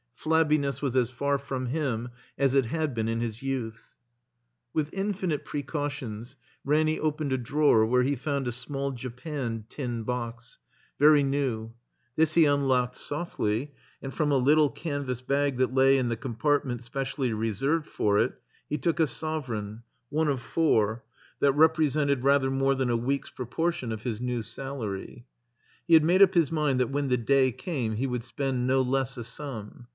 Plabbiness was as far from him as it had been in his youth. With infinite precautions, Ranny opened a drawer where he found a small japanned tin box, very new. This he unlocked softly, and from a little canvas bag that lay in the compartment specially reserved for it he took a sovereign, one of four, that repre 353 THE COMBINED MAZE sented rather more than a week's proportion of new salary. He had made up his mind that when the day came he would spend no less a sum.